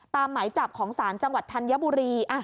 หมายจับของศาลจังหวัดธัญบุรี